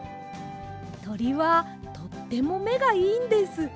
とりはとってもめがいいんです。